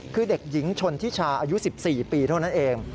คือเด็กหญิงชนทิชาอายุ๑๔ปีเท่านั้นเอง